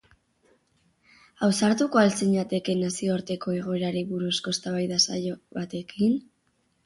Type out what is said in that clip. Ausartuko al zinateke nazioarteko egoerari buruzko eztabaida saio batekin?